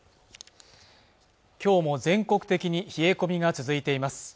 今日も全国的に冷え込みが続いています